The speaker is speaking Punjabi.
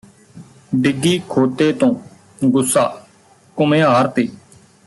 ਡਿੱਗੀ ਖੋਤੇ ਤੋਂ ਗੁੱਸਾ ਘੁਮਿਆਰ ਤੇ